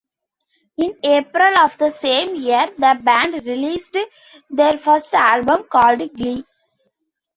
In April of the same year, the band released their first album, called "Glee".